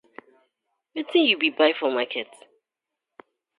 Wetin yu go bai for market.